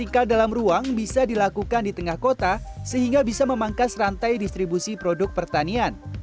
karena kita bisa memprediksikannya